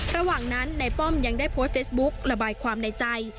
ระหว่างนั้นนายป้อมยังได้โพสต์เฟซบุ๊กระบายความในใจ